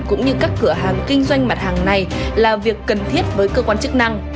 cũng như các cửa hàng kinh doanh mặt hàng này là việc cần thiết với cơ quan chức năng